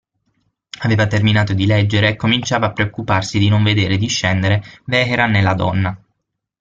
Aveva terminato di leggere e cominciava a preoccuparsi di non vedere discendere Vehrehan e la donna.